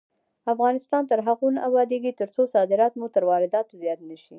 افغانستان تر هغو نه ابادیږي، ترڅو صادرات مو تر وارداتو زیات نشي.